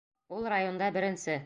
Ул районда беренсе.